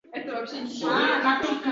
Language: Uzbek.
Ana endi deng, haykal hovlida turipti.